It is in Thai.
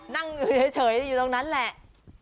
นั่งอยู่เฉยอยู่ตรงนั้นแหละ